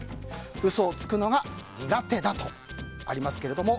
嘘をつくのが苦手だとありますけども。